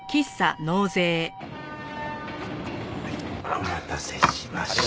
お待たせしました。